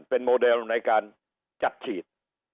เป็นโมเดลในการจัดฉีด